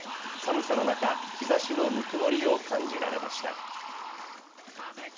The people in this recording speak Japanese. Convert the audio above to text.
寒さの中、日ざしのぬくもりを感じられました。